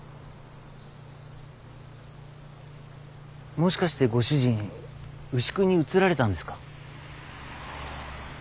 もしかしてご主人牛久に移られたんですか？